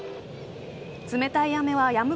冷たい雨はやむ